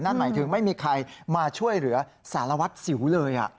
นั่นหมายถึงไม่มีใครมาช่วยเหลือสารวัตรสิวเลย